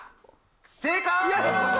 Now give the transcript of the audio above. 正解！